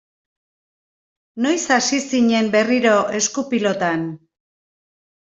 Noiz hasi zinen berriro esku-pilotan?